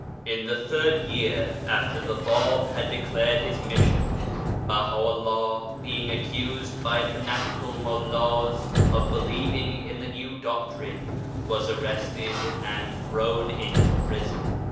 In the third year after the Bab had declared his Mission, Baha'u'llah, being accused by fanatical Mullahs of believ ing in the new doctrine, was arrested and thrown into prison.